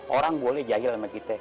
orang boleh jahil sama kita